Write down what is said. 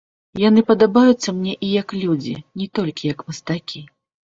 Яны падабаюцца мне і як людзі, не толькі як мастакі.